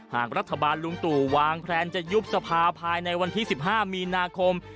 หากรัฐบาลลุงตู่วางแพลนจะยุบสภาภายในวันที่๑๕มีนาคม